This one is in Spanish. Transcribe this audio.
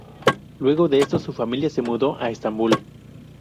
Luego de esto, su familia se mudó a Estambul.